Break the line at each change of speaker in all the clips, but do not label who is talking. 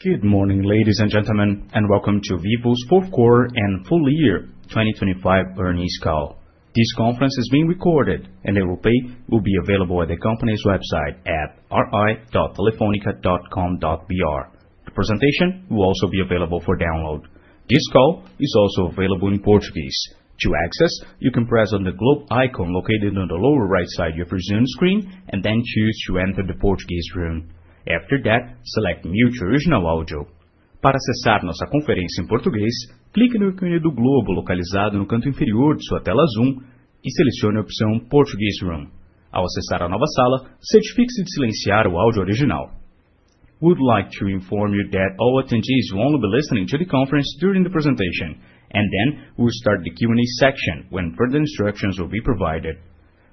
Good morning, ladies and gentlemen, and welcome to Vivo's fourth quarter and full year 2025 earnings call. This conference is being recorded, and the replay will be available at the company's website at ri.telefonica.com.br. The presentation will also be available for download. This call is also available in Portuguese. To access, you can press on the globe icon located on the lower right side of your Zoom screen and then choose to enter the Portuguese room. After that, select Mute Original Audio. Para acessar nossa conferência em português, clique no ícone do globo localizado no canto inferior de sua tela Zoom, e selecione a opção Portuguese room. Ao acessar a nova sala, certifique-se de silenciar o áudio original. We would like to inform you that all attendees will only be listening to the conference during the presentation, and then we'll start the Q&A section, when further instructions will be provided.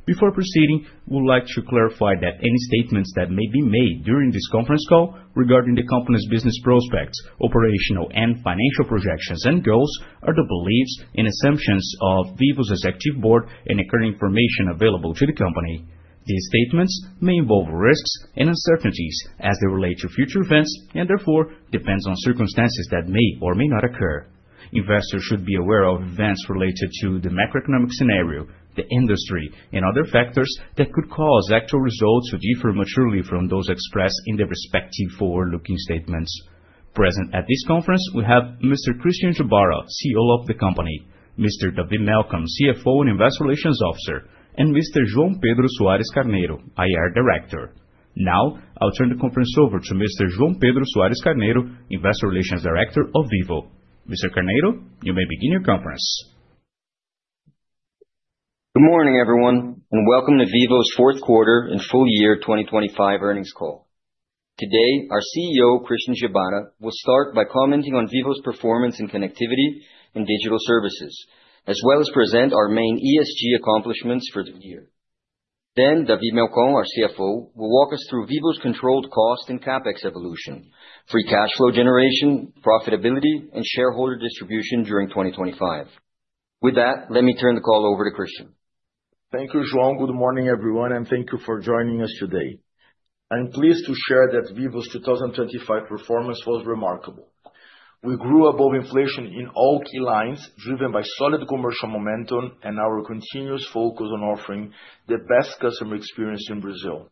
Before proceeding, we would like to clarify that any statements that may be made during this conference call regarding the company's business prospects, operational and financial projections and goals are the beliefs and assumptions of Vivo's executive board and accurate information available to the company. These statements may involve risks and uncertainties as they relate to future events, and therefore depends on circumstances that may or may not occur. Investors should be aware of events related to the macroeconomic scenario, the industry, and other factors that could cause actual results to differ materially from those expressed in the respective forward-looking statements. Present at this conference, we have Mr. Christian Gebara, CEO of the company, Mr. David Melcon, CFO and Investor Relations Officer, and Mr. João Pedro Soares Carneiro, IR Director. Now, I'll turn the conference over to Mr. João Pedro Soares Carneiro, Investor Relations Director of Vivo. Mr. Carneiro, you may begin your conference.
Good morning, everyone, and welcome to Vivo's fourth quarter and full year 2025 earnings call. Today, our CEO, Christian Gebara, will start by commenting on Vivo's performance in connectivity and digital services, as well as present our main ESG accomplishments for the year. Then, David Melcon, our CFO, will walk us through Vivo's controlled cost and CapEx evolution, free cash flow generation, profitability, and shareholder distribution during 2025. With that, let me turn the call over to Christian.
Thank you, João. Good morning, everyone, thank you for joining us today. I'm pleased to share that Vivo's 2025 performance was remarkable. We grew above inflation in all key lines, driven by solid commercial momentum and our continuous focus on offering the best customer experience in Brazil.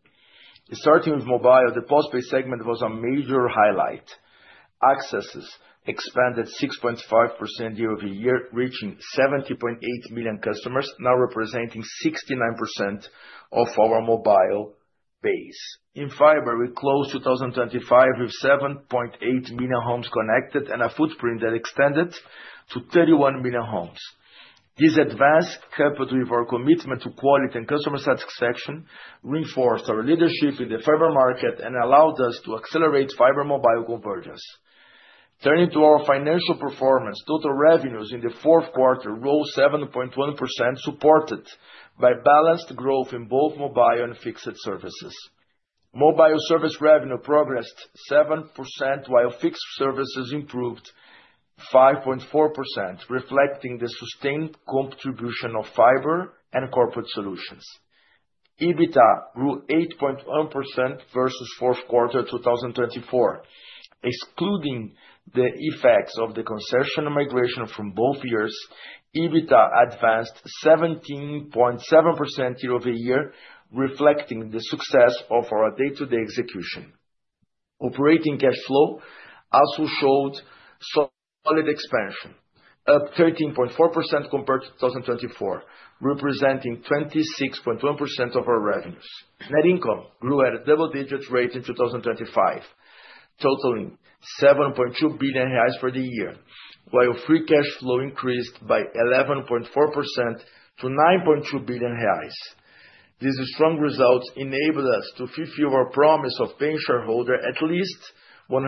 Starting with mobile, the postpaid segment was a major highlight. Accesses expanded 6.5% year-over-year, reaching 70.8 million customers, now representing 69% of our mobile base. In fiber, we closed 2025 with 7.8 million homes connected and a footprint that extended to 31 million homes. This advance, coupled with our commitment to quality and customer satisfaction, reinforced our leadership in the fiber market and allowed us to accelerate fiber mobile convergence. Turning to our financial performance, total revenues in the fourth quarter rose 7.1%, supported by balanced growth in both mobile and fixed services. Mobile service revenue progressed 7%, while fixed services improved 5.4%, reflecting the sustained contribution of fiber and corporate solutions. EBITDA grew 8.1% versus fourth quarter 2024. Excluding the effects of the concession migration from both years, EBITDA advanced 17.7% year-over-year, reflecting the success of our day-to-day execution. Operating cash flow also showed solid expansion, up 13.4% compared to 2024, representing 26.1% of our revenues. Net income grew at a double-digit rate in 2025, totaling 7.2 billion reais for the year, while free cash flow increased by 11.4% to 9.2 billion reais. These strong results enabled us to fulfill our promise of paying shareholder at least 100%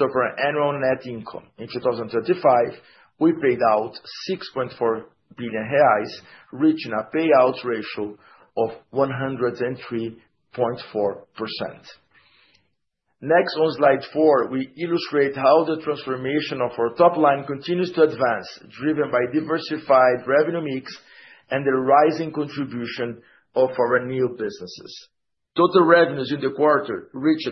of our annual net income. In 2025, we paid out 6.4 billion reais, reaching a payout ratio of 103.4%. Next, on Slide 4, we illustrate how the transformation of our top line continues to advance, driven by diversified revenue mix and the rising contribution of our new businesses. Total revenues in the quarter reached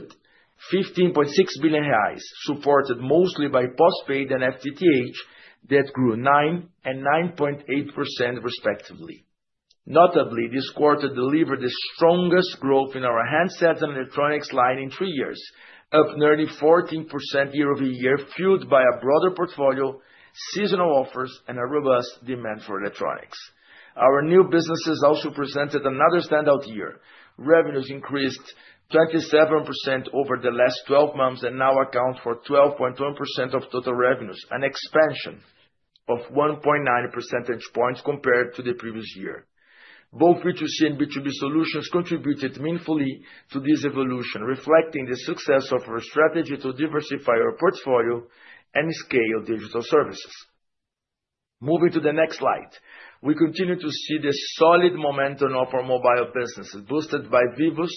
15.6 billion reais, supported mostly by postpaid and FTTH, that grew 9% and 9.8%, respectively. Notably, this quarter delivered the strongest growth in our handset and electronics line in three years, up nearly 14% year-over-year, fueled by a broader portfolio, seasonal offers, and a robust demand for electronics. Our new businesses also presented another standout year. Revenues increased 27% over the last 12 months and now account for 12.1% of total revenues, an expansion of 1.9 percentage points compared to the previous year. Both B2C and B2B solutions contributed meaningfully to this evolution, reflecting the success of our strategy to diversify our portfolio and scale digital services. Moving to the next slide. We continue to see the solid momentum of our mobile business, boosted by Vivo's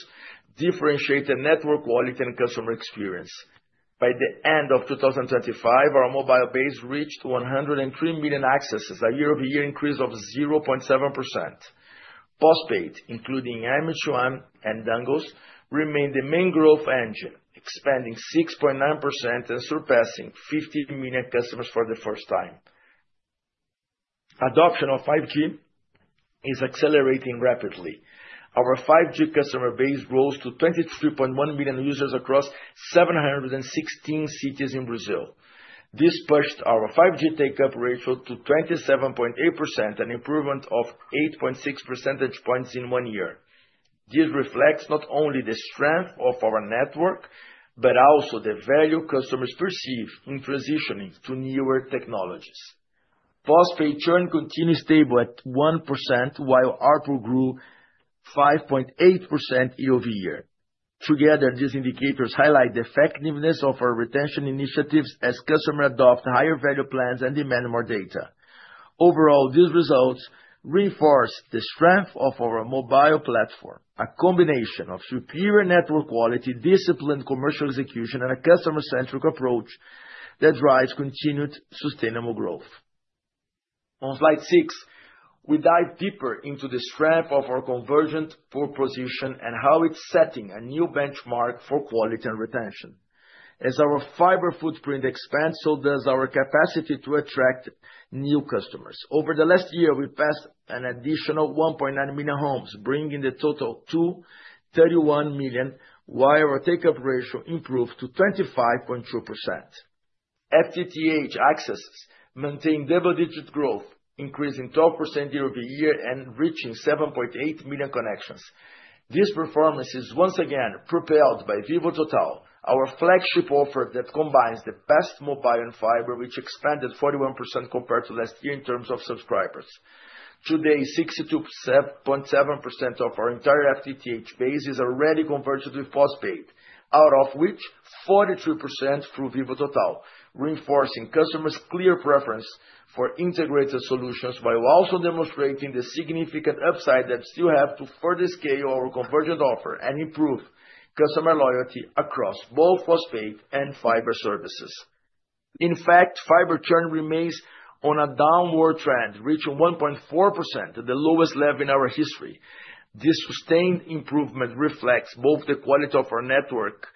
differentiated network quality and customer experience. By the end of 2025, our mobile base reached 103 million accesses, a year-over-year increase of 0.7%. Postpaid, including M1 and Dongles remained the main growth engine, expanding 6.9% and surpassing 50 million customers for the first time. Adoption of 5G is accelerating rapidly. Our 5G customer base grows to 23.1 million users across 716 cities in Brazil. This pushed our 5G take-up ratio to 27.8%, an improvement of 8.6 percentage points in one year. This reflects not only the strength of our network, but also the value customers perceive in transitioning to newer technologies. Postpaid churn continues stable at 1%, while ARPU grew 5.8% year-over-year. Together, these indicators highlight the effectiveness of our retention initiatives as customers adopt higher value plans and demand more data. Overall, these results reinforce the strength of our mobile platform, a combination of superior network quality, disciplined commercial execution, and a customer-centric approach that drives continued sustainable growth. On Slide 6, we dive deeper into the strength of our convergent proposition and how it's setting a new benchmark for quality and retention. As our fiber footprint expands, so does our capacity to attract new customers. Over the last year, we passed an additional 1.9 million homes, bringing the total to 31 million, while our take-up ratio improved to 25.2%. FTTH accesses maintained double-digit growth, increasing 12% year-over-year and reaching 7.8 million connections. This performance is once again propelled by Vivo Total, our flagship offer that combines the best mobile and fiber, which expanded 41% compared to last year in terms of subscribers. Today, 62.7% of our entire FTTH base is already converted to postpaid, out of which 43% through Vivo Total, reinforcing customers' clear preference for integrated solutions while also demonstrating the significant upside that still have to further scale our convergent offer and improve customer loyalty across both postpaid and fiber services. In fact, fiber churn remains on a downward trend, reaching 1.4%, the lowest level in our history. This sustained improvement reflects both the quality of our network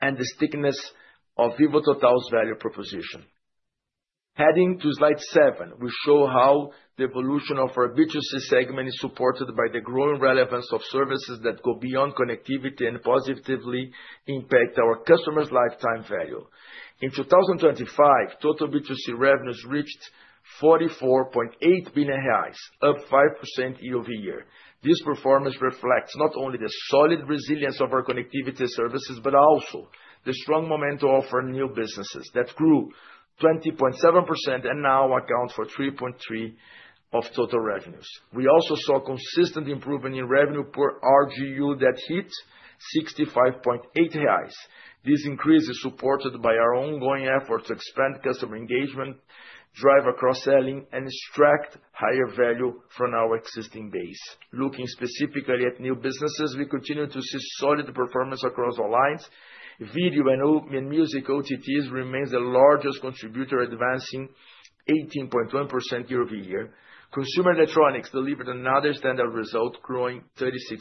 and the stickiness of Vivo Total's value proposition. Heading to Slide 7, we show how the evolution of our B2C segment is supported by the growing relevance of services that go beyond connectivity and positively impact our customers' lifetime value. In 2025, total B2C revenues reached 44.8 billion reais, up 5% year-over-year. This performance reflects not only the solid resilience of our connectivity services, but also the strong momentum of our new businesses, that grew 20.7% and now account for 3.3% of total revenues. We also saw consistent improvement in revenue per RGU that hit 65.8 reais. This increase is supported by our ongoing effort to expand customer engagement, drive cross-selling, and extract higher value from our existing base. Looking specifically at new businesses, we continue to see solid performance across all lines. Video and music OTTs remains the largest contributor, advancing 18.1% year-over-year. Consumer electronics delivered another standard result, growing 36%,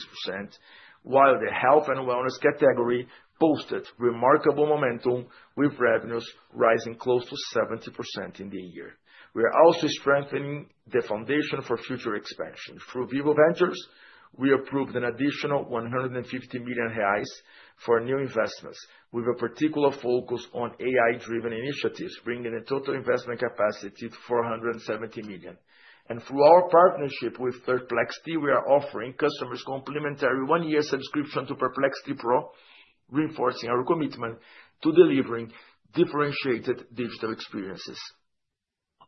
while the health and wellness category posted remarkable momentum, with revenues rising close to 70% in the year. We are also strengthening the foundation for future expansion. Through Vivo Ventures, we approved an additional 150 million reais for new investments, with a particular focus on AI-driven initiatives, bringing the total investment capacity to 470 million. Through our partnership with Third Perplexity, we are offering customers complimentary 1-year subscription to Perplexity Pro, reinforcing our commitment to delivering differentiated digital experiences.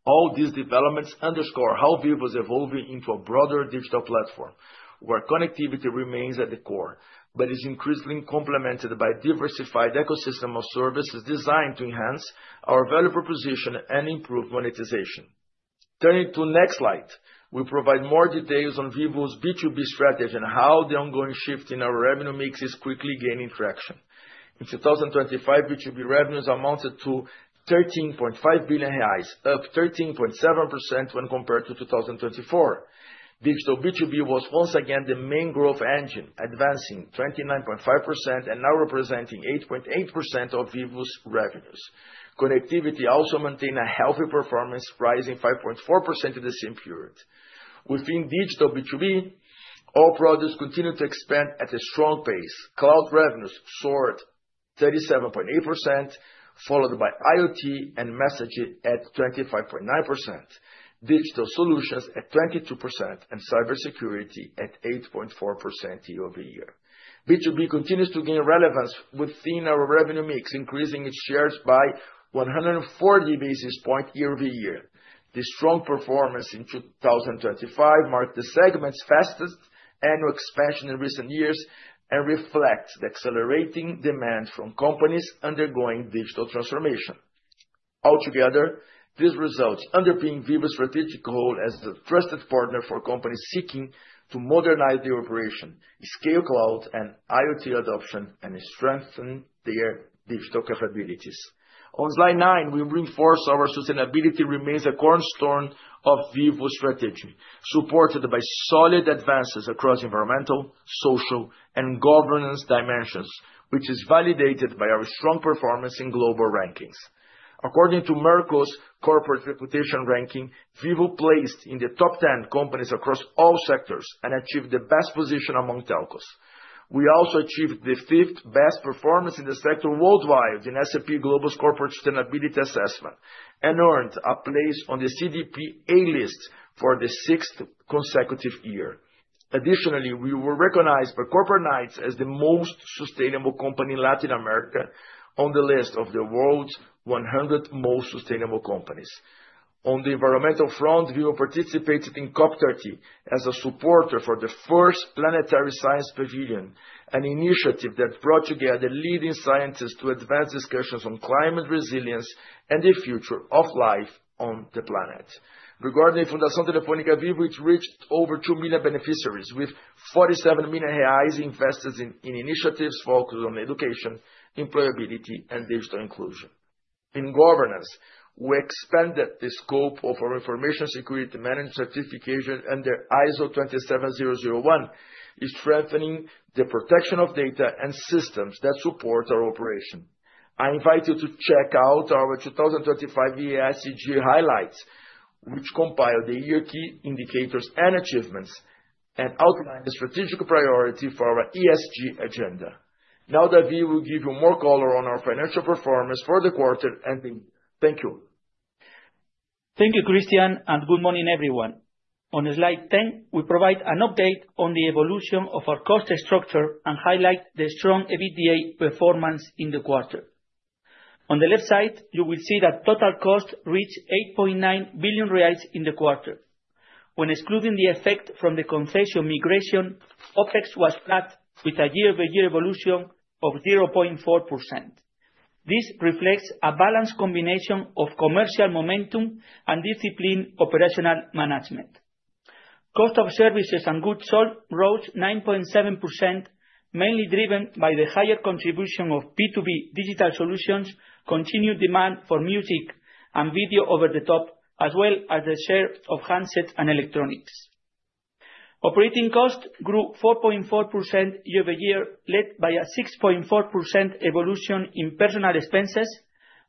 All these developments underscore how Vivo is evolving into a broader digital platform, where connectivity remains at the core, but is increasingly complemented by a diversified ecosystem of services designed to enhance our value proposition and improve monetization. Turning to next slide, we provide more details on Vivo's B2B strategy and how the ongoing shift in our revenue mix is quickly gaining traction. In 2025, B2B revenues amounted to 13.5 billion reais, up 13.7% when compared to 2024. Digital B2B was once again the main growth engine, advancing 29.5% and now representing 8.8% of Vivo's revenues. Connectivity also maintained a healthy performance, rising 5.4% in the same period. Within digital B2B, all products continued to expand at a strong pace. Cloud revenues soared 37.8%, followed by IoT and messaging at 25.9%, digital solutions at 22%, and cybersecurity at 8.4% year-over-year. B2B continues to gain relevance within our revenue mix, increasing its shares by 140 basis points year-over-year. This strong performance in 2025 marked the segment's fastest annual expansion in recent years and reflects the accelerating demand from companies undergoing digital transformation. Altogether, these results underpin Vivo's strategic role as the trusted partner for companies seeking to modernize their operation, scale cloud and IoT adoption, and strengthen their digital capabilities. On Slide 9, we reinforce our sustainability remains a cornerstone of Vivo strategy, supported by solid advances across environmental, social, and governance dimensions, which is validated by our strong performance in global rankings. According to Merco's corporate reputation ranking, Vivo placed in the top 10 companies across all sectors and achieved the best position among telcos. We also achieved the fifth best performance in the sector worldwide in S&P Global's Corporate Sustainability Assessment, and earned a place on the CDP A List for the sixth consecutive year. Additionally, we were recognized by Corporate Knights as the most sustainable company in Latin America on the list of the world's 100 most sustainable companies. On the environmental front, Vivo participated in COP30 as a supporter for the first Planetary Science Pavilion, an initiative that brought together leading scientists to advance discussions on climate resilience and the future of life on the planet. Regarding Fundação Telefônica Vivo, which reached over 2 million beneficiaries, with 47 million reais invested in initiatives focused on education, employability, and digital inclusion. In governance, we expanded the scope of our information security management certification under ISO 27001, is strengthening the protection of data and systems that support our operation. I invite you to check out our 2025 ESG highlights, which compile the year key indicators and achievements, and outline the strategic priority for our ESG agenda. Now, David will give you more color on our financial performance for the quarter ending. Thank you.
Thank you, Christian. Good morning, everyone. On Slide 10, we provide an update on the evolution of our cost structure and highlight the strong EBITDA performance in the quarter. On the left side, you will see that total cost reached 8.9 billion reais in the quarter. When excluding the effect from the concession migration, OpEx was flat, with a year-over-year evolution of 0.4%. This reflects a balanced combination of commercial momentum and disciplined operational management. Cost of services and goods sold rose 9.7%, mainly driven by the higher contribution of B2B digital solutions, continued demand for music and video over the top, as well as the share of handsets and electronics. Operating costs grew 4.4% year-over-year, led by a 6.4% evolution in personal expenses,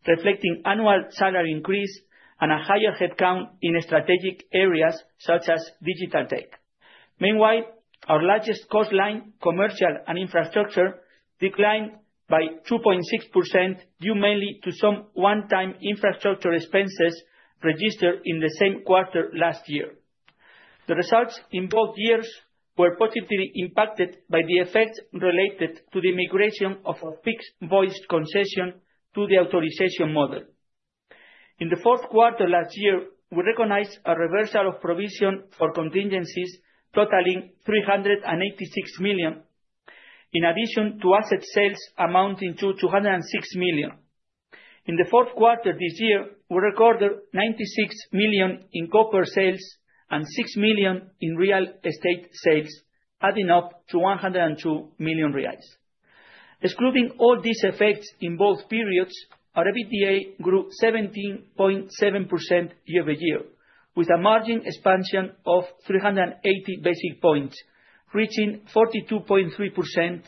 reflecting annual salary increase and a higher headcount in strategic areas such as digital tech. Meanwhile, our largest cost line, commercial and infrastructure, declined by 2.6%, due mainly to some one-time infrastructure expenses registered in the same quarter last year. The results in both years were positively impacted by the effects related to the migration of our fixed voice concession to the authorization model. In the fourth quarter last year, we recognized a reversal of provision for contingencies totaling 386 million, in addition to asset sales amounting to 206 million. In the fourth quarter this year, we recorded 96 million in copper sales and 6 million in real estate sales, adding up to 102 million reais. Excluding all these effects in both periods, our EBITDA grew 17.7% year-over-year, with a margin expansion of 380 basis points, reaching 42.3%,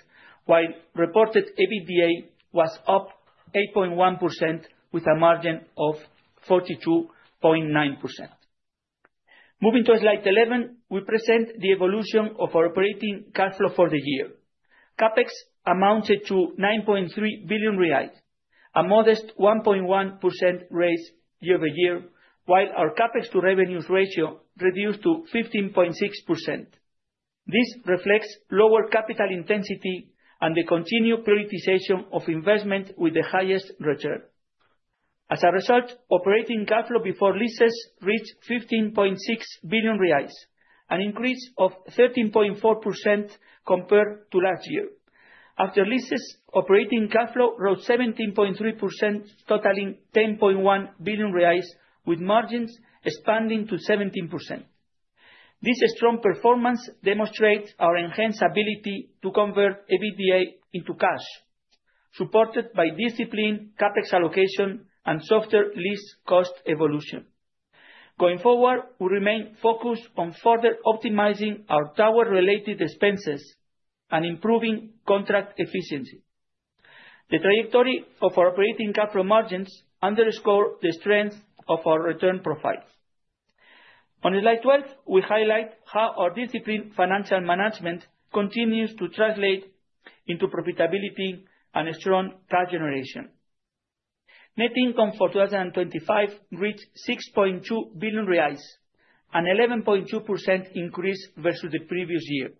while reported EBITDA was up 8.1%, with a margin of 42.9%. Moving to Slide 11, we present the evolution of our operating cash flow for the year. CapEx amounted to 9.3 billion reais, a modest 1.1% raise year-over-year, while our CapEx to revenues ratio reduced to 15.6%. This reflects lower capital intensity and the continued prioritization of investment with the highest return. As a result, operating cash flow before leases reached 15.6 billion reais, an increase of 13.4% compared to last year. After leases, operating cash flow rose 17.3%, totaling 10.1 billion reais, with margins expanding to 17%. This strong performance demonstrates our enhanced ability to convert EBITDA into cash, supported by disciplined CapEx allocation and softer lease cost evolution. Going forward, we remain focused on further optimizing our tower-related expenses and improving contract efficiency. The trajectory of our operating cash flow margins underscore the strength of our return profiles. On Slide 12, we highlight how our disciplined financial management continues to translate into profitability and a strong cash generation. Net income for 2025 reached 6.2 billion reais, an 11.2% increase versus the previous year.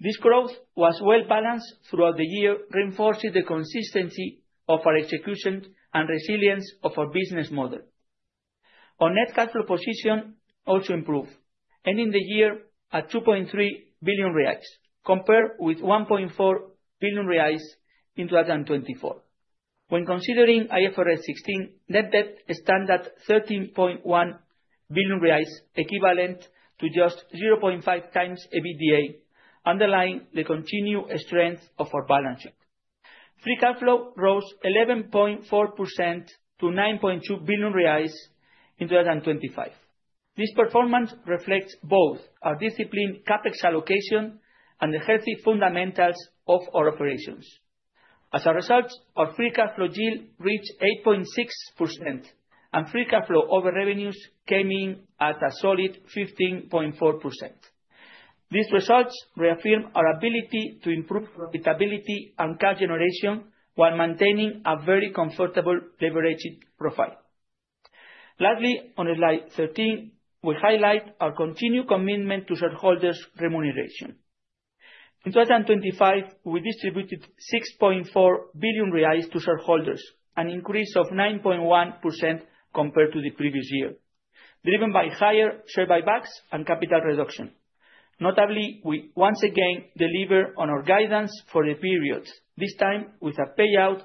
This growth was well-balanced throughout the year, reinforcing the consistency of our execution and resilience of our business model. Our net cash flow position also improved, ending the year at 2.3 billion reais, compared with 1.4 billion reais in 2024. When considering IFRS 16, net debt stand at 13.1 billion reais, equivalent to just 0.5 times EBITDA, underlying the continued strength of our balance sheet. Free cash flow rose 11.4% to 9.2 billion reais in 2025. This performance reflects both our disciplined CapEx allocation and the healthy fundamentals of our operations. As a result, our free cash flow yield reached 8.6%, and free cash flow over revenues came in at a solid 15.4%. These results reaffirm our ability to improve profitability and cash generation, while maintaining a very comfortable leveraged profile. Lastly, on Slide 13, we highlight our continued commitment to shareholders' remuneration. In 2025, we distributed 6.4 billion reais to shareholders, an increase of 9.1% compared to the previous year, driven by higher share buybacks and capital reduction. Notably, we once again delivered on our guidance for the period, this time with a payout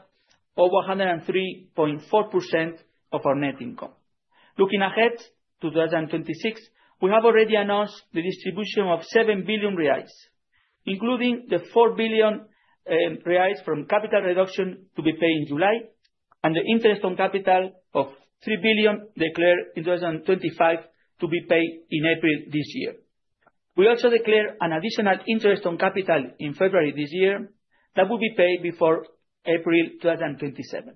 over 103.4% of our net income. Looking ahead, 2026, we have already announced the distribution of 7 billion reais, including the 4 billion reais from capital reduction to be paid in July, and the interest on capital of 3 billion declared in 2025 to be paid in April this year. We also declared an additional interest on capital in February this year, that will be paid before April 2027.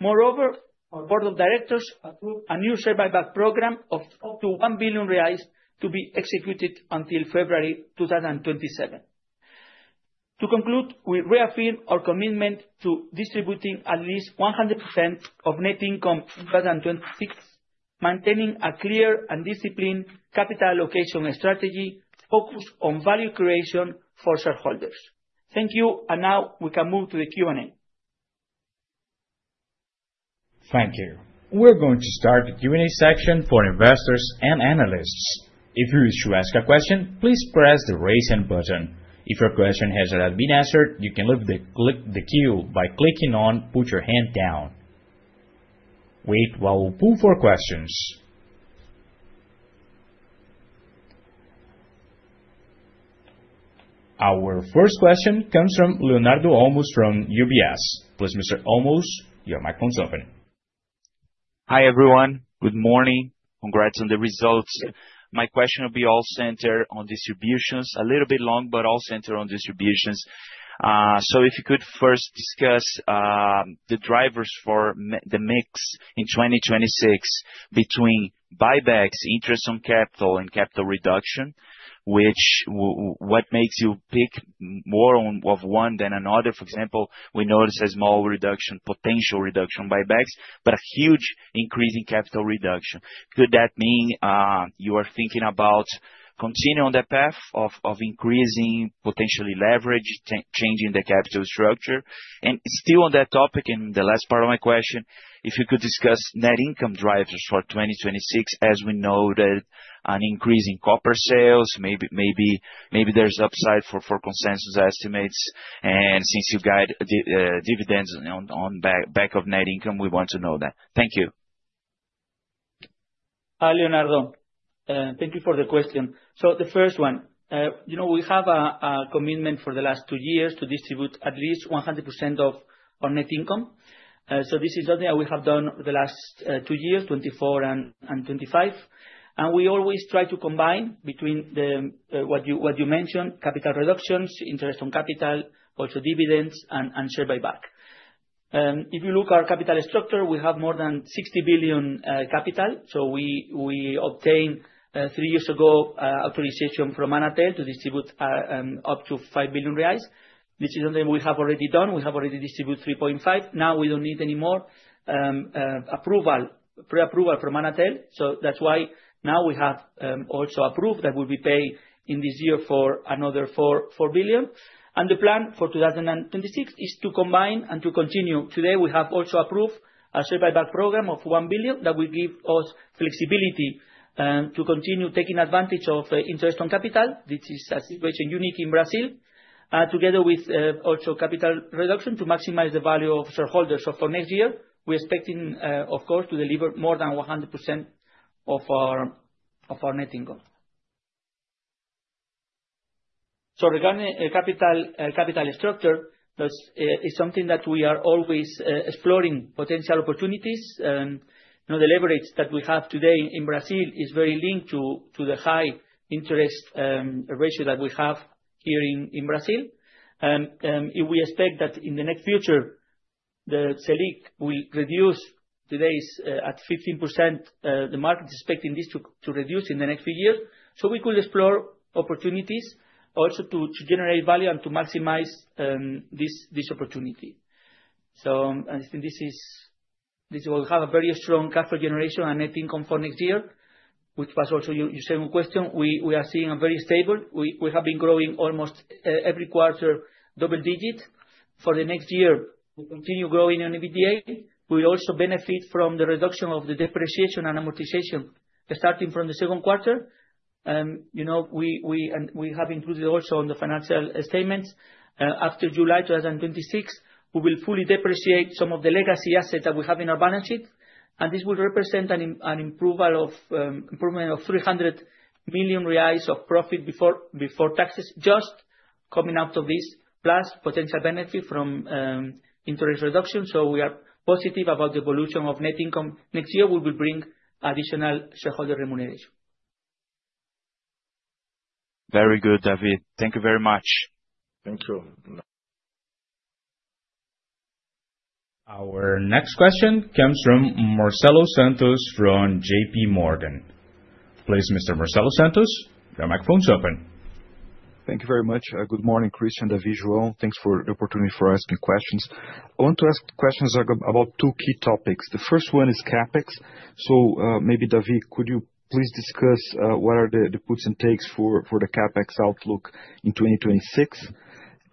Moreover, our board of directors approved a new share buyback program of up to 1 billion reais, to be executed until February 2027. To conclude, we reaffirm our commitment to distributing at least 100% of net income in 2026, maintaining a clear and disciplined capital allocation strategy focused on value creation for shareholders. Thank you, and now we can move to the Q&A.
Thank you. We're going to start the Q&A section for investors and analysts. If you wish to ask a question, please press the Raise Hand button. If your question has already been answered, you can leave the queue by clicking on Put Your Hand Down. Wait, while we pull for questions. Our first question comes from Leonardo Olmos, from UBS. Please, Mr. Olmos, your microphone's open.
Hi, everyone. Good morning. Congrats on the results. My question will be all centered on distributions, a little bit long, but all centered on distributions. If you could first discuss the drivers for the mix in 2026 between buybacks, interest on capital, and capital reduction, what makes you pick more on, of one than another? For example, we noticed a small reduction, potential reduction, buybacks, but a huge increase in capital reduction. Could that mean you are thinking about continuing on that path of, of increasing, potentially leverage, changing the capital structure? Still on that topic, and the last part of my question, if you could discuss net income drivers for 2026, as we know that an increase in copper sales, maybe, maybe, maybe there's upside for consensus estimates, and since you guide dividends on back of net income, we want to know that. Thank you.
Hi, Leonardo, thank you for the question. The first one, you know, we have a commitment for the last two years to distribute at least 100% of our net income. This is something that we have done the last two years, 2024 and 2025. We always try to combine between what you, what you mentioned, capital reductions, interest on capital, also dividends, and share buyback. If you look our capital structure, we have more than 60 billion capital. We obtained three years ago authorization from Anatel to distribute up to 5 billion reais. This is something we have already done, we have already distributed 3.5 billion. Now, we don't need any more approval, pre-approval from Anatel. That's why now we have also approved, that will be paid in this year for another 4, 4 billion. The plan for 2026 is to combine and to continue. Today, we have also approved a share buyback program of 1 billion, that will give us flexibility to continue taking advantage of the interest on capital, which is a situation unique in Brazil, together with also capital reduction, to maximize the value of shareholders. For next year, we're expecting, of course, to deliver more than 100% of our, of our net income. Regarding capital, capital structure, this is something that we are always exploring potential opportunities. You know, the leverage that we have today in Brazil is very linked to, to the high interest ratio that we have here in Brazil. If we expect that in the next future, the Selic will reduce, today is at 15%, the market is expecting this to, to reduce in the next few years. We could explore opportunities also to, to generate value and to maximize this opportunity. I think this will have a very strong capital generation and net income for next year. Which was also your second question. We are seeing a very stable. We have been growing almost every quarter, double digit. For the next year, we continue growing on EBITDA. We also benefit from the reduction of the depreciation and amortization, starting from the second quarter. you know, we, we, and we have included also on the financial statements, after July 2026, we will fully depreciate some of the legacy assets that we have in our balance sheet, and this will represent an improvement of 300 million reais of profit before, before taxes, just coming out of this, plus potential benefit from, interest reduction. We are positive about the evolution of net income. Next year, we will bring additional shareholder remuneration.
Very good, David. Thank you very much.
Thank you.
Our next question comes from Marcelo Santos, from JP Morgan. Please, Mr. Marcelo Santos, your microphone's open.
Thank you very much. Good morning, Christian, David, João. Thanks for the opportunity for asking questions. I want to ask questions about two key topics. The first one is CapEx. Maybe, David, could you please discuss what are the puts and takes for the CapEx outlook in 2026?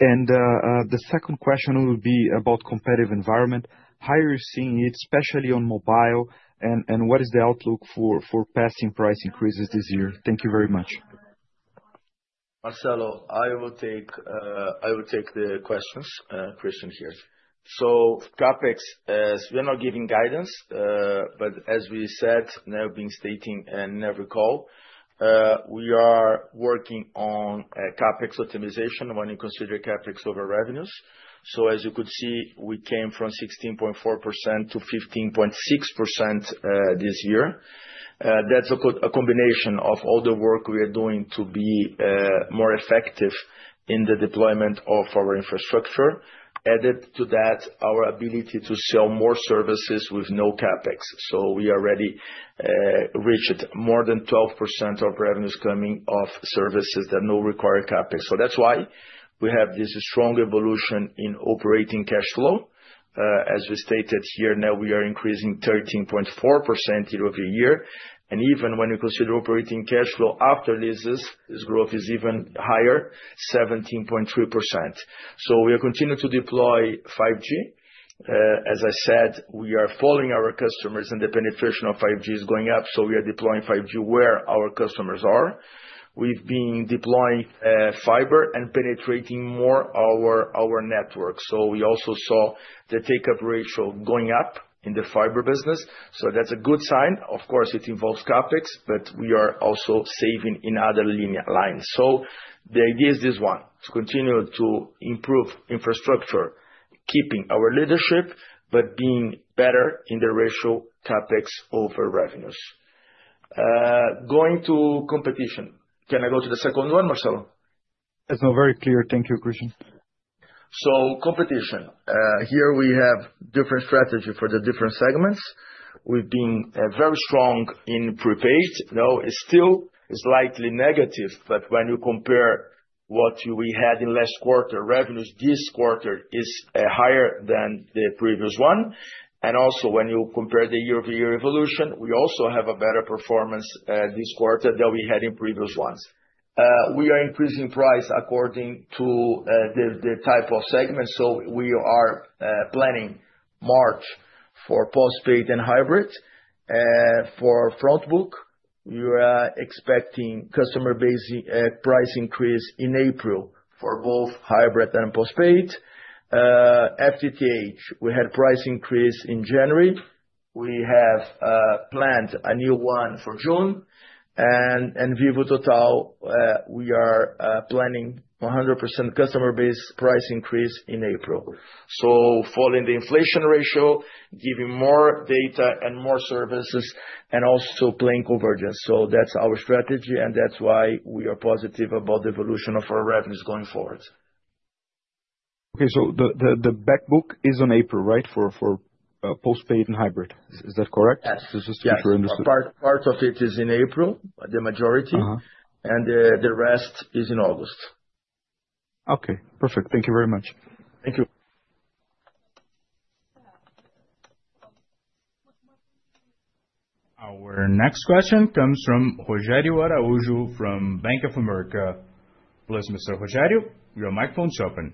The second question will be about competitive environment. How are you seeing it, especially on mobile, and what is the outlook for passing price increases this year? Thank you very much.
Marcelo, I will take the questions, Christian here. CapEx, we are not giving guidance, but as we said, and have been stating, in every call, we are working on CapEx optimization when you consider CapEx over revenues. As you could see, we came from 16.4%-15.6% this year. That's a combination of all the work we are doing to be more effective in the deployment of our infrastructure. Added to that, our ability to sell more services with no CapEx. We already reached more than 12% of revenues coming off services that no require CapEx. That's why we have this strong evolution in operating cash flow. As we stated here, now we are increasing 13.4% year-over-year, and even when you consider operating cash flow after leases, this growth is even higher, 17.3%. We are continuing to deploy 5G. As I said, we are following our customers, and the penetration of 5G is going up, so we are deploying 5G where our customers are. We've been deploying fiber and penetrating more our, our network. We also saw the take-up ratio going up in the fiber business. That's a good sign. Of course, it involves CapEx, but we are also saving in other linear lines. The idea is this one: to continue to improve infrastructure, keeping our leadership, but being better in the ratio CapEx over revenues. Going to competition. Can I go to the second one, Marcelo?
It's now very clear. Thank you, Christian.
Competition. Here we have different strategy for the different segments. We've been very strong in prepaid. Now, it's still slightly negative, but when you compare what we had in last quarter, revenues this quarter is higher than the previous one. Also, when you compare the year-over-year evolution, we also have a better performance this quarter than we had in previous ones. We are increasing price according to the type of segment, so we are planning March for postpaid and hybrid. For front book, we are expecting customer base price increase in April for both hybrid and postpaid. FTTH, we had price increase in January. We have planned a new one for June. Vivo Total, we are planning 100% customer base price increase in April. Following the inflation ratio, giving more data and more services, and also playing convergence. That's our strategy, and that's why we are positive about the evolution of our revenues going forward.
Okay, the back book is on April, right? For postpaid and hybrid. Is that correct?
Yes.
Just to make sure I understood.
Yes. Part of it is in April, the majority.
Uh-huh.
The, the rest is in August.
Okay, perfect. Thank you very much.
Thank you.
Our next question comes from Rogério Araújo, from Bank of America. Please, Mr. Rogério, your microphone's open.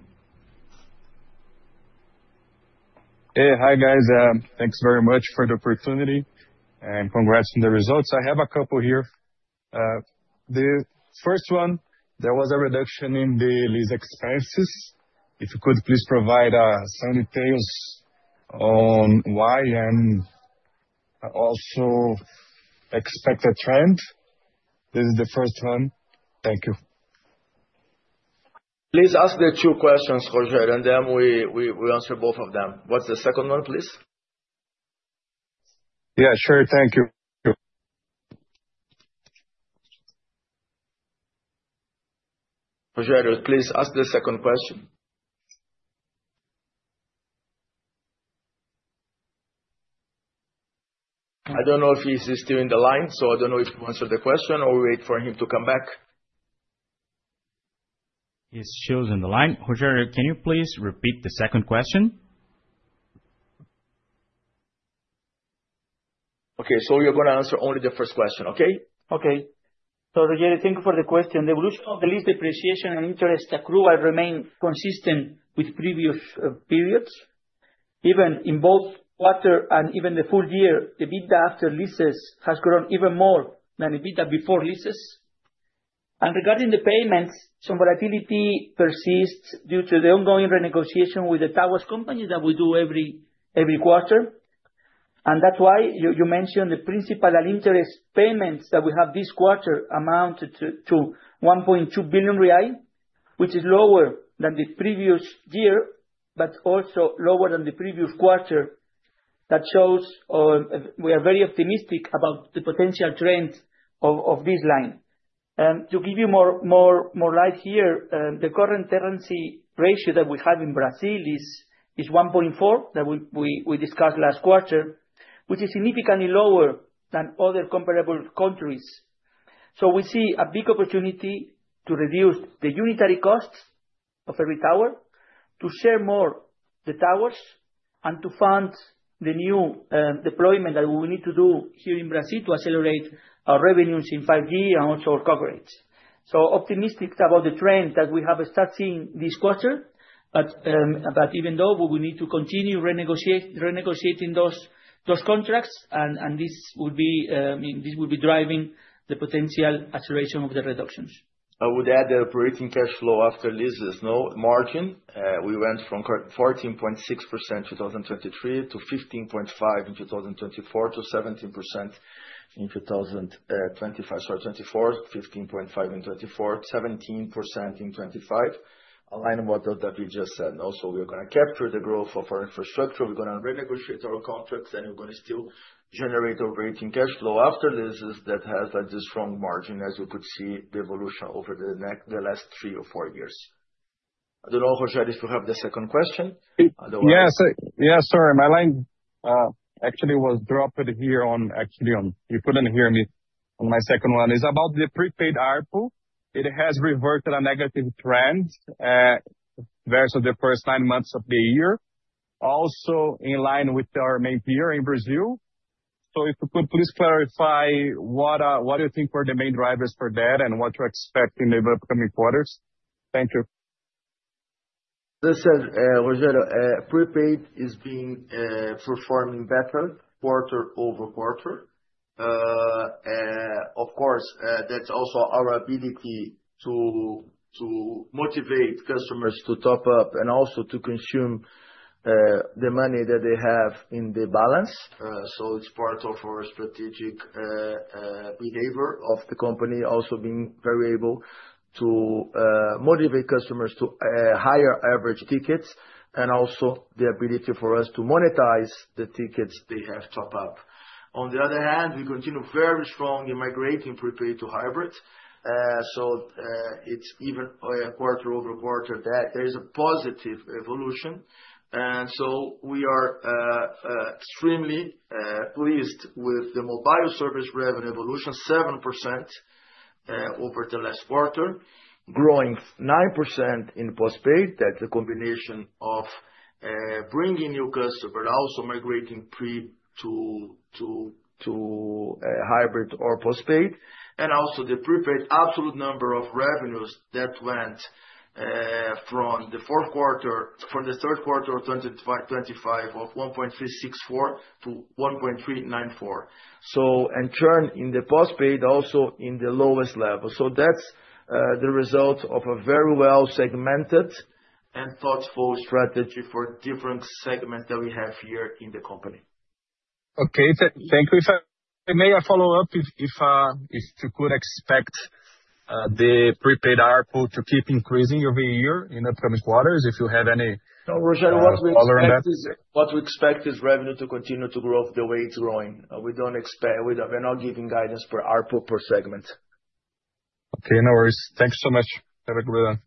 Hey. Hi, guys. Thanks very much for the opportunity, and congrats on the results. I have a couple here. The first one, there was a reduction in the lease expenses. If you could please provide some details on why, and also expected trend. This is the first one. Thank you.
Please ask the two questions, Rogério, and then we answer both of them. What's the second one, please?
Yeah, sure. Thank you.
Rogério, please ask the second question. I don't know if he's still in the line, so I don't know if to answer the question or wait for him to come back?
It shows on the line. Rogério, can you please repeat the second question?
Okay, you're gonna answer only the first question, okay?
Rogério, thank you for the question. The evolution of the lease depreciation and interest accrual remain consistent with previous periods. Even in both quarter and even the full year, the EBITDA after leases has grown even more than EBITDA before leases. Regarding the payments, some volatility persists due to the ongoing renegotiation with the towers company that we do every, every quarter. That's why you mentioned the principal and interest payments that we have this quarter amounted to BRL 1.2 billion, which is lower than the previous year, but also lower than the previous quarter. That shows, we are very optimistic about the potential trend of this line. To give you more, more, more light here, the current tenancy ratio that we have in Brazil is 1.4, that we discussed last quarter, which is significantly lower than other comparable countries. We see a big opportunity to reduce the unitary costs of every tower, to share more the towers, and to fund the new deployment that we need to do here in Brazil to accelerate our revenues in 5G and also our coverage. Optimistic about the trend that we have starting this quarter, even though, we will need to continue renegotiating those contracts, and this will be driving the potential acceleration of the reductions.
I would add the operating cash flow after leases, no margin. We went from 14.6% 2023, to 15.5 in 2024, to 17% 2025. Sorry, 2024, 15.5 in 2024, 17% in 2025. Aligned with what, what you just said. Also, we're gonna capture the growth of our infrastructure. We're gonna renegotiate our contracts, and we're gonna still generate operating cash flow after this, is that has a strong margin, as you could see the evolution over the last three or four years. I don't know, Rogério, if you have the second question, otherwise-
Yes, yes, sorry. My line actually was dropped here. You couldn't hear me on my second one. It's about the prepaid ARPU. It has reverted a negative trend versus the first nine months of the year, also in line with our main peer in Brazil. If you could please clarify what you think were the main drivers for that, and what you expect in the upcoming quarters. Thank you.
This is Rogério. Prepaid is being performing better quarter-over-quarter. Of course, that's also our ability to motivate customers to top up and also to consume the money that they have in the balance. It's part of our strategic behavior of the company, also being very able to motivate customers to higher average tickets, and also the ability for us to monetize the tickets they have top up. On the other hand, we continue very strong in migrating prepaid to hybrid. It's even quarter-over-quarter, that there is a positive evolution. We are extremely pleased with the mobile service revenue evolution, 7% over the last quarter, growing 9% in postpaid. That's a combination of bringing new customer, but also migrating pre to hybrid or postpaid. The prepaid absolute number of revenues that went from the fourth quarter, from the third quarter of 25 of 1.364 to 1.394. Churn in the postpaid also in the lowest level. That's the result of a very well segmented and thoughtful strategy for different segment that we have here in the company.
Okay, thank you, sir. May I follow up if you could expect the prepaid ARPU to keep increasing every year in upcoming quarters, if you have any.
No, Rogério, what we expect.
color on that.
What we expect is revenue to continue to grow the way it's growing. We don't expect. We're not giving guidance for ARPU per segment.
Okay, no worries. Thanks so much. Have a good one.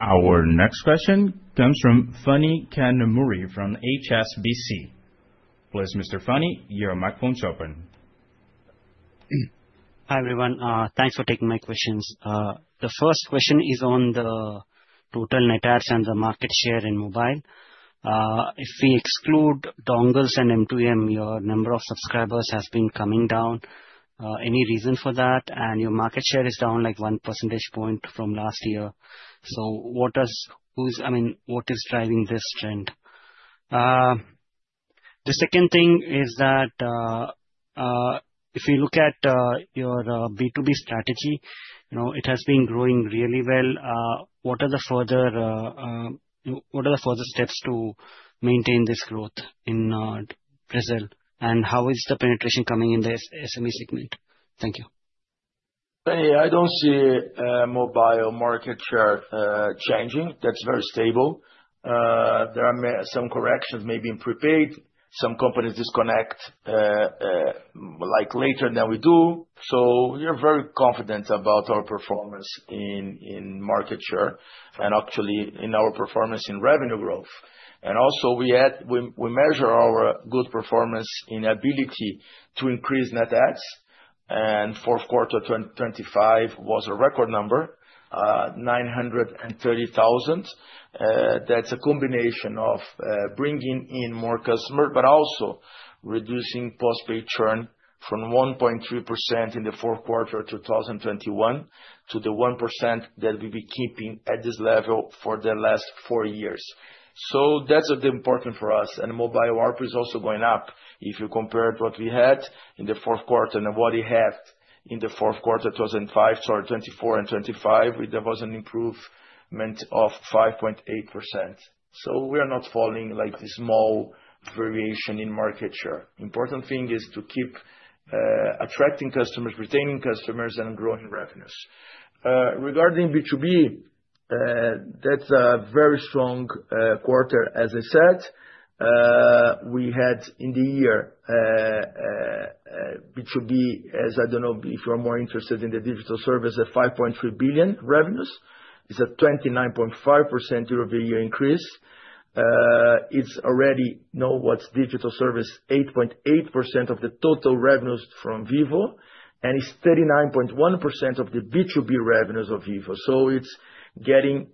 Our next question comes from Phani Kanumuri, from HSBC. Please, Mr. Phani, your microphone is open.
Hi, everyone. Thanks for taking my questions. The first question is on the total net adds and the market share in mobile. If we exclude dongles and M2M, your number of subscribers has been coming down. Any reason for that? Your market share is down, like, 1 percentage point from last year. What does, I mean, what is driving this trend? The second thing is that, if you look at your B2B strategy, you know, it has been growing really well. What are the further, what are the further steps to maintain this growth in Brazil? How is the penetration coming in the SME segment? Thank you.
Hey, I don't see mobile market share changing. That's very stable. There are some corrections maybe in prepaid. Some companies disconnect, like, later than we do, so we are very confident about our performance in market share, and actually in our performance in revenue growth. Also we, we measure our good performance in ability to increase net adds, and fourth quarter 2025 was a record number, 930,000. That's a combination of bringing in more customer, but also reducing postpay churn from 1.3% in the fourth quarter 2021, to the 1% that we've been keeping at this level for the last four years. That's important for us, and mobile ARPU is also going up. If you compare what we had in the fourth quarter and what we had in the fourth quarter, 2025, sorry, 2024 and 2025, there was an improvement of 5.8%. We are not falling, like, the small variation in market share. Important thing is to keep attracting customers, retaining customers, and growing revenues. Regarding B2B, that's a very strong quarter, as I said. We had in the year B2B, as I don't know if you are more interested in the digital service, at 5.3 billion revenues. It's at 29.5% year-over-year increase. It's already know what's digital service, 8.8% of the total revenues from Vivo, and it's 39.1% of the B2B revenues of Vivo. It's getting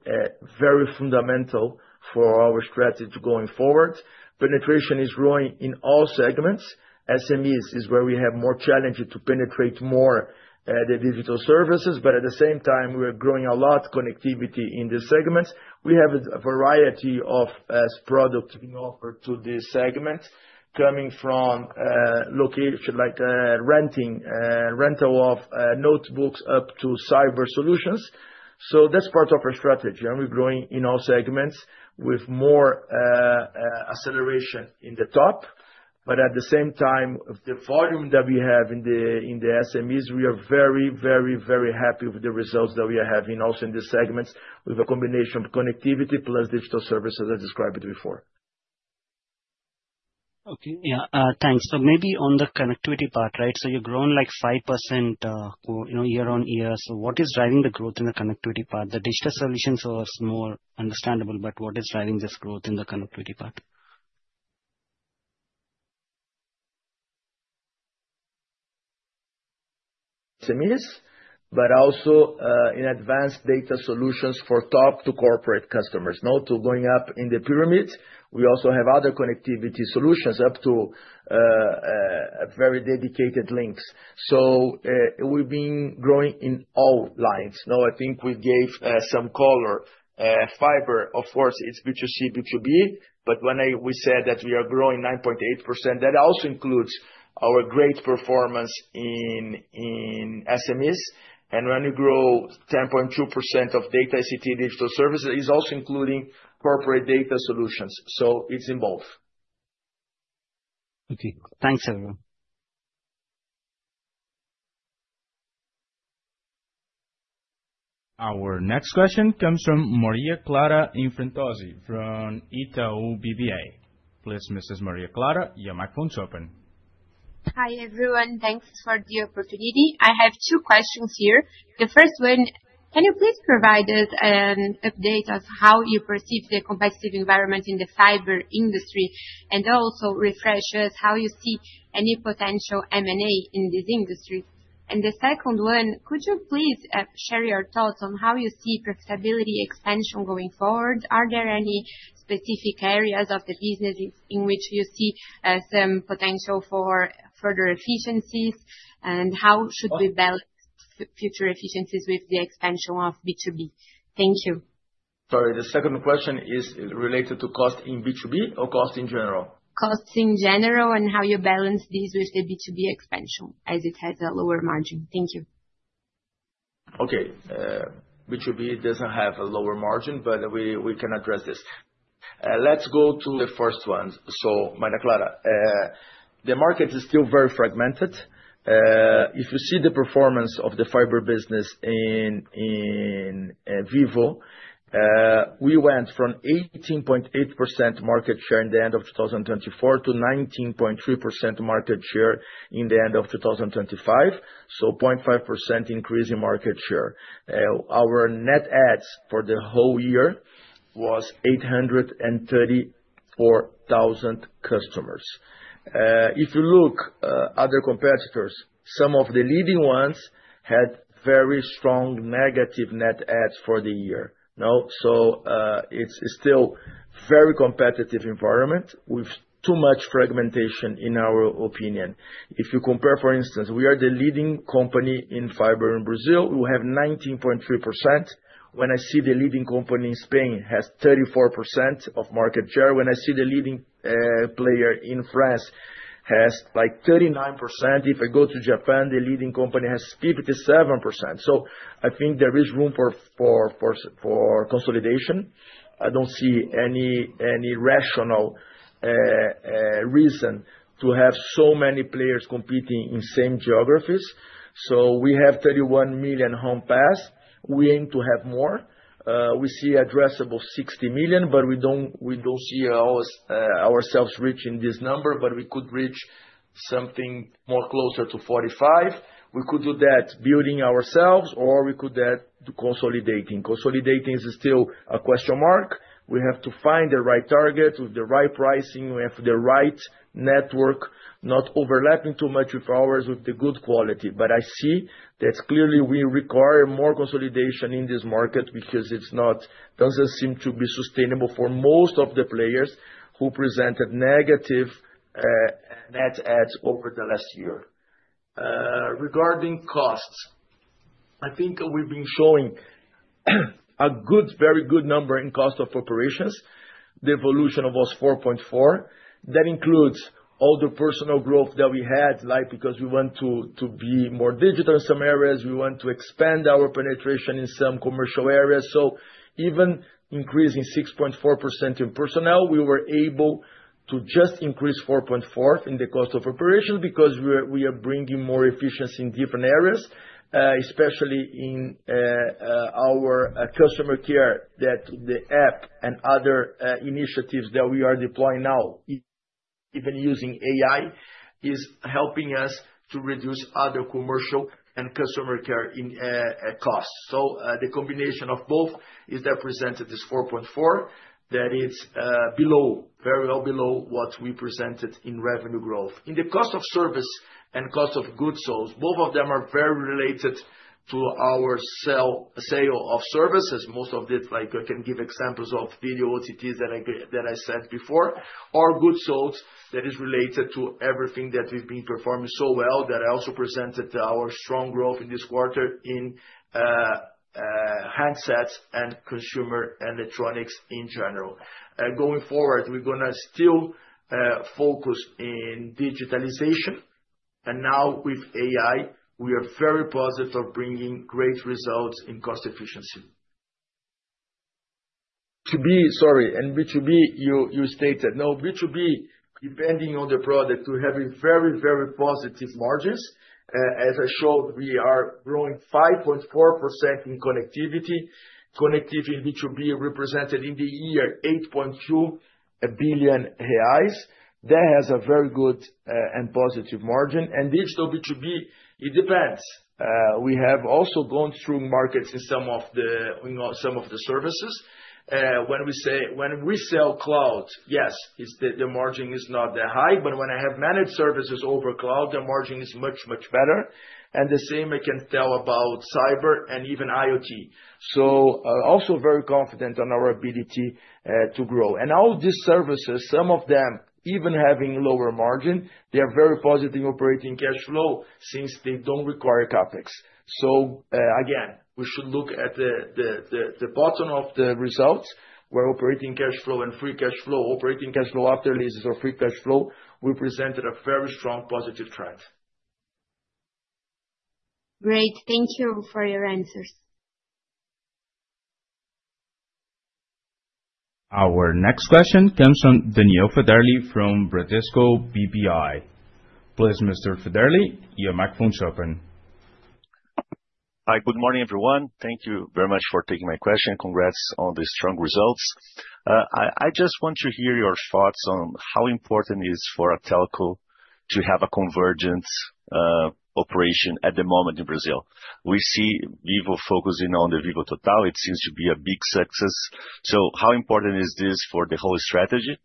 very fundamental for our strategy going forward. Penetration is growing in all segments. SMEs is where we have more challenges to penetrate more the digital services, but at the same time, we are growing a lot connectivity in these segments. We have a variety of products being offered to these segments, coming from location, like renting rental of notebooks up to cyber solutions. That's part of our strategy, and we're growing in all segments with more acceleration in the top. At the same time, the volume that we have in the SMEs, we are very, very, very happy with the results that we are having also in these segments, with a combination of connectivity plus digital services, as I described it before.
Okay. Yeah, thanks. Maybe on the connectivity part, right, so you've grown, like, 5%, or, you know, year-over-year. What is driving the growth in the connectivity part? The digital solutions was more understandable, but what is driving this growth in the connectivity part?
SMEs, but also in advanced data solutions for top to corporate customers. To going up in the pyramid, we also have other connectivity solutions up to very dedicated links. We've been growing in all lines. I think we gave some color. Fiber, of course, it's B2C, B2B, but when we said that we are growing 9.8%, that also includes our great performance in SMEs, and when you grow 10.2% of data ICT digital services, it's also including corporate data solutions, so it's in both.
Okay. Thanks, everyone.
Our next question comes from Maria Clara Infantozzi, from Itaú BBA. Please, Mrs. Maria Clara, your microphone is open.
Hi, everyone. Thanks for the opportunity. I have two questions here. The first one, can you please provide us an update of how you perceive the competitive environment in the fiber industry, and also refresh us how you see any potential M&A in this industry? The second one, could you please share your thoughts on how you see profitability expansion going forward? Are there any specific areas of the business in, in which you see some potential for further efficiencies, and how should we balance f-future efficiencies with the expansion of B2B? Thank you.
Sorry, the second question is related to cost in B2B or cost in general?
Costs in general, and how you balance this with the B2B expansion, as it has a lower margin. Thank you.
Okay, B2B doesn't have a lower margin, we, we can address this. Let's go to the first one. Maria Clara, the market is still very fragmented. If you see the performance of the fiber business in Vivo, we went from 18.8% market share in the end of 2024, to 19.3% market share in the end of 2025, 0.5% increase in market share. Our net adds for the whole year was 834,000 customers. If you look, other competitors, some of the leading ones had very strong negative net adds for the year. It's still very competitive environment with too much fragmentation in our opinion. If you compare, for instance, we are the leading company in fiber in Brazil. We have 19.3%. When I see the leading company in Spain has 34% of market share, when I see the leading player in France has, like, 39%. If I go to Japan, the leading company has 57%. I think there is room for consolidation. I don't see any, any rational reason to have so many players competing in same geographies. We have 31 million home pass. We aim to have more. We see addressable 60 million, but we don't see ourselves reaching this number, but we could reach something more closer to 45. We could do that building ourselves, or we could add to consolidating. Consolidating is still a question mark. We have to find the right target with the right pricing. We have the right network, not overlapping too much with ours, with the good quality. I see that clearly we require more consolidation in this market because it doesn't seem to be sustainable for most of the players who presented negative net adds over the last year. Regarding costs, I think we've been showing a good, very good number in cost of operations. The evolution was 4.4. That includes all the personal growth that we had, like, because we want to, to be more digital in some areas, we want to expand our penetration in some commercial areas. Even increasing 6.4% in personnel, we were able to just increase 4.4 in the cost of operations, because we are bringing more efficiency in different areas, especially in our customer care, that the app and other initiatives that we are deploying now, even using AI, is helping us to reduce other commercial and customer care costs. The combination of both is that presented this 4.4, that is below, very well below what we presented in revenue growth. In the cost of service and cost of goods sold, both of them are very related to our sale of services. Most of it, like, I can give examples of video that I said before, or goods sold that is related to everything that we've been performing so well, that I also presented our strong growth in this quarter in handsets and consumer electronics in general. Going forward, we're gonna still focus in digitalization, and now with AI, we are very positive bringing great results in cost efficiency. Sorry, B2B, you stated. Now, B2B, depending on the product, we're having very, very positive margins. As I showed, we are growing 5.4% in connectivity. Connectivity in B2B represented in the year 8.2 billion reais. That has a very good and positive margin. Digital B2B, it depends. We have also gone through markets in some of the, you know, some of the services. When we say, when we sell cloud, yes, it's the, the margin is not that high, but when I have managed services over cloud, the margin is much, much better, and the same I can tell about cyber and even IoT. Also very confident on our ability to grow. All these services, some of them even having lower margin, they are very positive operating cash flow since they don't require CapEx. Again, we should look at the, the, the, the bottom of the results, where operating cash flow and free cash flow, operating cash flow after leases or free cash flow, we presented a very strong positive trend.
Great. Thank you for your answers.
Our next question comes from Daniel Federle, from Bradesco BBI. Please, Mr. Federli, your microphone is open.
Hi, good morning, everyone. Thank you very much for taking my question. Congrats on the strong results. I, I just want to hear your thoughts on how important is for a telco to have a convergence operation at the moment in Brazil. We see Vivo focusing on the Vivo Total, it seems to be a big success. How important is this for the whole strategy?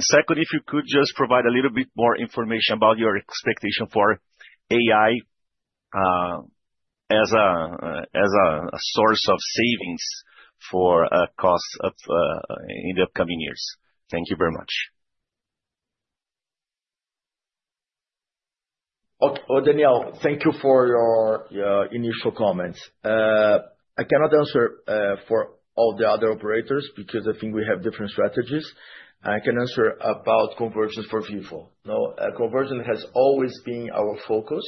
Secondly, if you could just provide a little bit more information about your expectation for AI as a, a source of savings for costs in the upcoming years. Thank you very much.
Oh, Daniel, thank you for your initial comments. I cannot answer for all the other operators because I think we have different strategies. I can answer about convergence for Vivo. Convergence has always been our focus,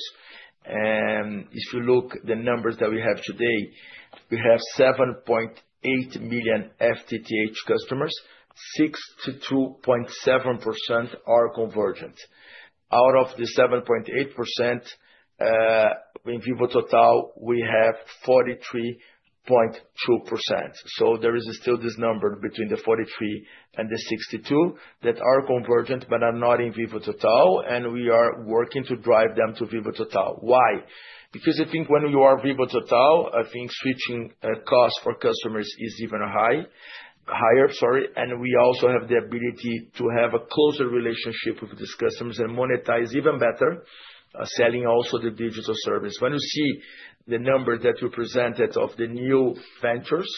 and if you look the numbers that we have today. We have 7.8 million FTTH customers, 62.7% are convergent. Out of the 7.8%, in Vivo Total, we have 43.2%. There is still this number between the 43 and the 62 that are convergent, but are not in Vivo Total, and we are working to drive them to Vivo Total. Why? Because I think when you are Vivo Total, I think switching costs for customers is even high, higher, sorry. We also have the ability to have a closer relationship with these customers and monetize even better, selling also the digital service. When you see the number that you presented of the new ventures,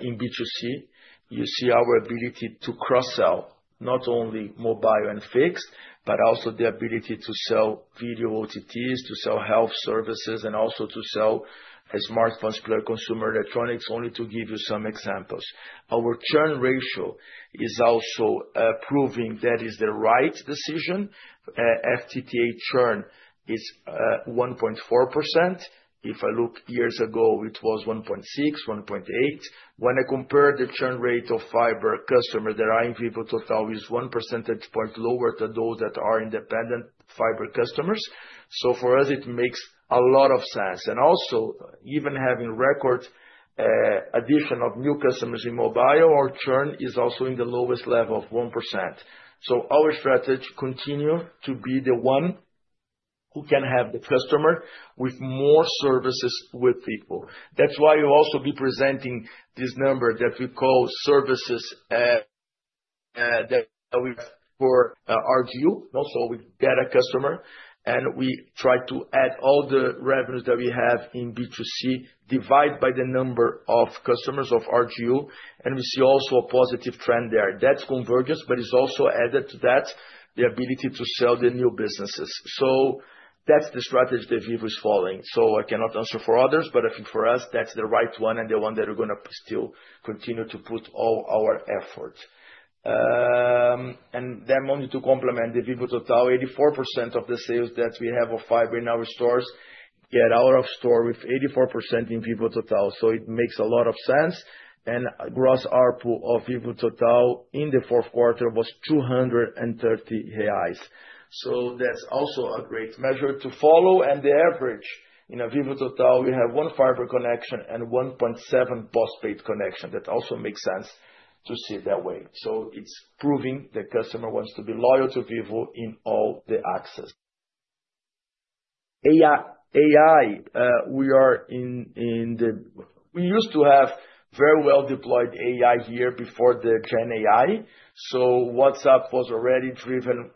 in B2C, you see our ability to cross-sell, not only mobile and fixed, but also the ability to sell video OTTs, to sell health services, and also to sell smartphones, player consumer electronics, only to give you some examples. Our churn ratio is also proving that is the right decision. FTTA churn is 1.4%. If I look years ago, it was 1.6, 1.8. When I compare the churn rate of fiber customers that are in Vivo Total, is 1 percentage point lower than those that are independent fiber customers. For us, it makes a lot of sense. Also even having record addition of new customers in mobile, our churn is also in the lowest level of 1%. Our strategy continue to be the one who can have the customer with more services with people. That's why you'll also be presenting this number that we call services, that we've for RGU, also with data customer, and we try to add all the revenues that we have in B2C, divide by the number of customers of RGU, and we see also a positive trend there. That's convergence, but it's also added to that, the ability to sell the new businesses. That's the strategy that Vivo is following. I cannot answer for others, but I think for us, that's the right one and the one that we're gonna still continue to put all our effort. Only to complement the Vivo Total, 84% of the sales that we have of fiber in our stores, get out of store with 84% in Vivo Total, so it makes a lot of sense. Gross ARPU of Vivo Total in the fourth quarter was 230 reais. That's also a great measure to follow, and the average in a Vivo Total, we have 1 fiber connection and 1.7 postpaid connection. That also makes sense to see it that way. It's proving the customer wants to be loyal to Vivo in all the access. AI, AI, we used to have very well-deployed AI here before the Gen AI, so WhatsApp was already driven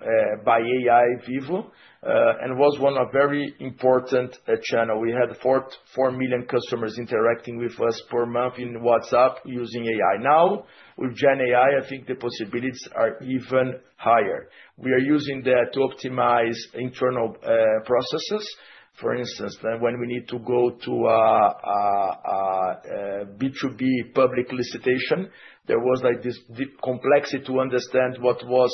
by AI Vivo, and was 1 of very important channel. We had 4 million customers interacting with us per month in WhatsApp using AI. Now, with Gen AI, I think the possibilities are even higher. We are using that to optimize internal processes. For instance, when we need to go to B2B public solicitation, there was, like, this deep complexity to understand what was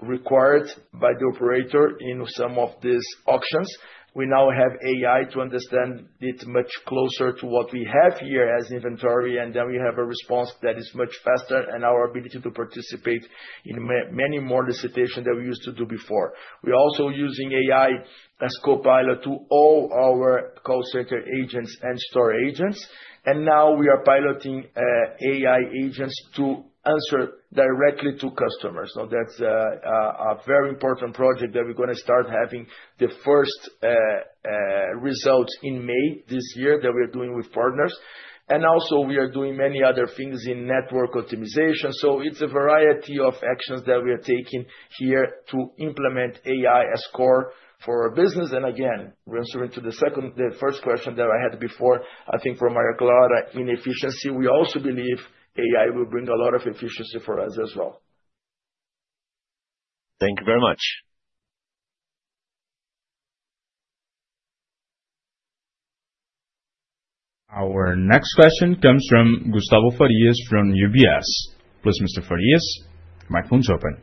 required by the operator in some of these auctions. We now have AI to understand it much closer to what we have here as inventory, and then we have a response that is much faster and our ability to participate in many more licitation than we used to do before. We're also using AI as copilot to all our call center agents and store agents, and now we are piloting AI agents to answer directly to customers. That's a very important project that we're gonna start having the first results in May, this year, that we're doing with partners. Also we are doing many other things in network optimization. It's a variety of actions that we are taking here to implement AI as core for our business. Again, answering to the second, the first question that I had before, I think from our in efficiency, we also believe AI will bring a lot of efficiency for us as well.
Thank you very much. Our next question comes from Gustavo Farias from UBS. Please, Mr. Farias, microphone is open.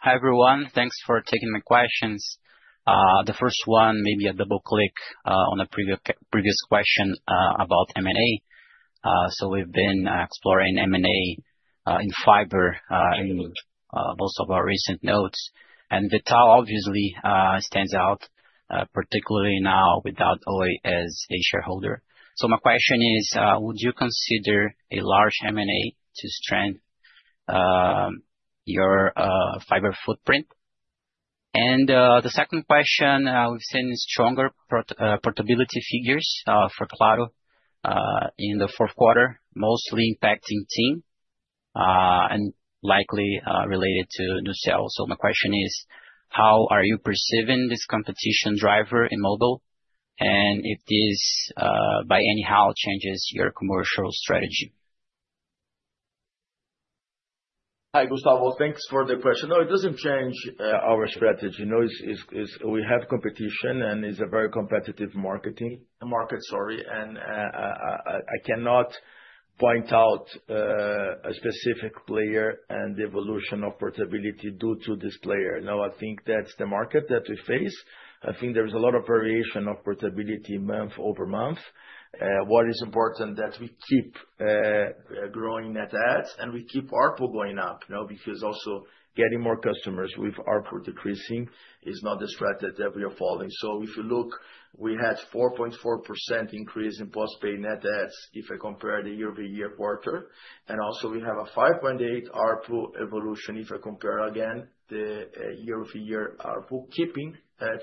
Hi, everyone. Thanks for taking my questions. The first one, maybe a double click on a previous, previous question about M&A. We've been exploring M&A in fiber in most of our recent notes, and V.tal, obviously, stands out particularly now without Oi as a shareholder. My question is, would you consider a large M&A to strengthen your fiber footprint? The second question, we've seen stronger portability figures for Claro in the fourth quarter, mostly impacting TIM, and likely related to new sales. My question is: How are you perceiving this competition driver in mobile? If this by anyhow, changes your commercial strategy?
Hi, Gustavo. Thanks for the question. No, it doesn't change our strategy. You know, we have competition, and it's a very competitive marketing market, sorry, and I cannot point out a specific player and the evolution of portability due to this player. No, I think that's the market that we face. I think there is a lot of variation of profitability month-over-month. What is important that we keep growing net adds, and we keep ARPU going up, you know, because also getting more customers with ARPU decreasing is not the strategy that we are following. If you look, we had 4.4% increase in postpaid net adds, if I compare the year-over-year quarter, and also we have a 5.8 ARPU evolution, if I compare again, the year-over-year ARPU, keeping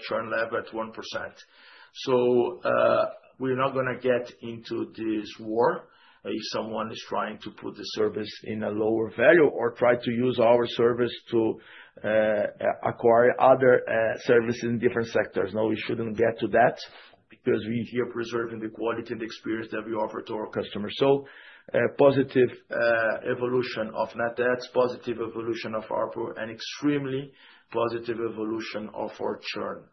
churn level at 1%. We're not gonna get into this war, if someone is trying to put the service in a lower value or try to use our service to acquire other service in different sectors. No, we shouldn't get to that, because we're here preserving the quality and experience that we offer to our customers. A positive evolution of net adds, positive evolution of ARPU, and extremely positive evolution of our churn.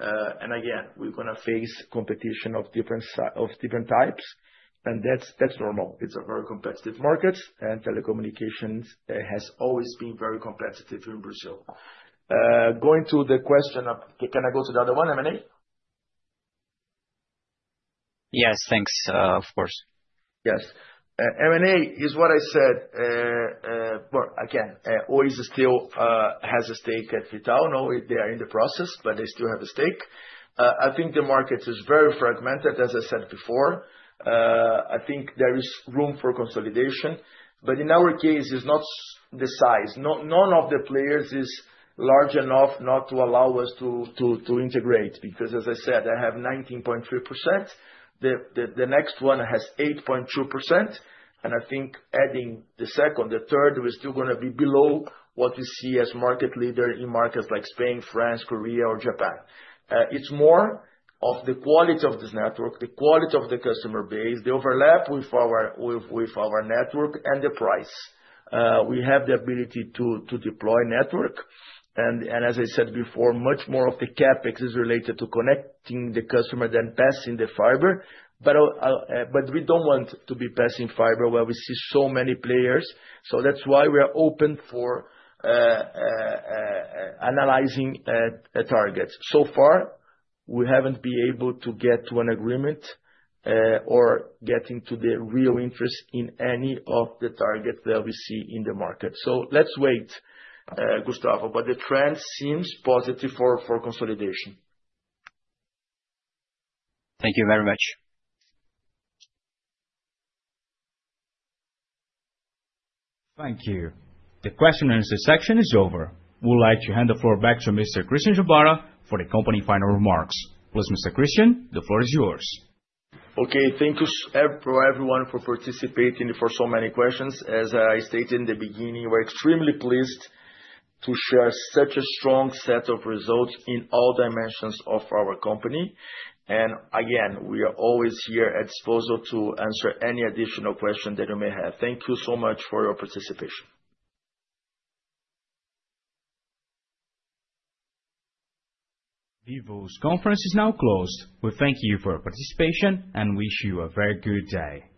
And again, we're gonna face competition of different types, and that's, that's normal. It's a very competitive market, and telecommunications has always been very competitive in Brazil. Can I go to the other one, M&A?
Yes, thanks. Of course.
Yes. M&A is what I said. Well, again, Oi still has a stake at V.tal. Now, they are in the process, but they still have a stake. I think the market is very fragmented, as I said before. I think there is room for consolidation, but in our case, it's not s- the size. No- none of the players is large enough not to allow us to, to, to integrate, because as I said, I have 19.3%. The, the, the next one has 8.2%, and I think adding the second, the third, we're still gonna be below what we see as market leader in markets like Spain, France, Korea or Japan. It's more of the quality of this network, the quality of the customer base, the overlap with our, with, with our network, and the price. We have the ability to, to deploy network, and as I said before, much more of the CapEx is related to connecting the customer than passing the fiber. I'll, I'll, but we don't want to be passing fiber where we see so many players. That's why we are open for analyzing targets. So far, we haven't been able to get to an agreement or getting to the real interest in any of the targets that we see in the market. Let's wait, Gustavo, but the trend seems positive for consolidation.
Thank you very much.
Thank you. The question and answer section is over. We would like to hand the floor back to Mr. Christian Gebara for the company final remarks. Please, Mr. Christian, the floor is yours.
Okay, thank you, for everyone for participating, for so many questions. As I stated in the beginning, we're extremely pleased to share such a strong set of results in all dimensions of our company. Again, we are always here at disposal to answer any additional question that you may have. Thank you so much for your participation.
Vivo's conference is now closed. We thank you for your participation, and wish you a very good day.